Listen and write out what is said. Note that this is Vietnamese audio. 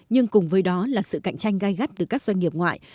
nhưng cùng với đó là sự cạnh tranh gai gắt từ các doanh nghiệp ngoại